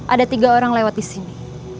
ada tiga orang lewat disini